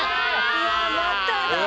うわまただ。